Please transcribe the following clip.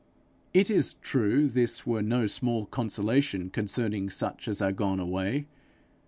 It is true this were no small consolation concerning such as are gone away!